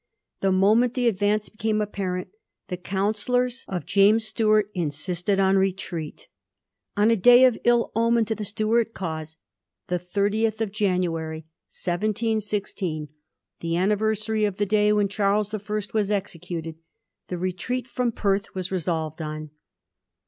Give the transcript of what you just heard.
The moment the advance became apparent, the counsellors of James Stuart insisted on retreat. On a day of ill omen to the Stuart cause, the 30th January, 1716, the an niversary of the day when Charles the First was. executed, the retreat from Perth was resolved on.